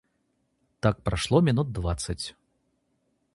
Так прошло минут двадцать.